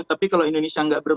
tapi kalau indonesia tidak bermain